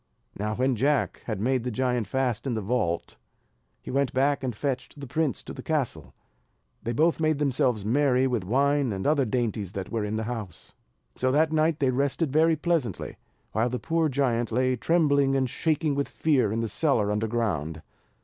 Now when Jack had made the giant fast in the vault, he went back and fetched the prince to the castle; they both made themselves merry with the wine and other dainties that were in the house. So that night they rested very pleasantly, while the poor giant lay trembling and shaking with fear in the cellar under ground.